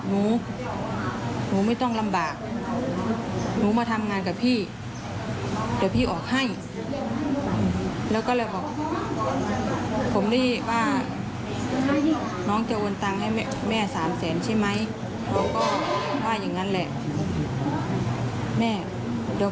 นู้นู้นู้นู้นไม่ต้องลำบาก